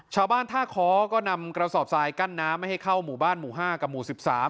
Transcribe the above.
ชาวบ้านท่าค้อก็นำกระสอบทรายกั้นน้ำไม่ให้เข้าหมู่บ้านหมู่๕กับหมู่๑๓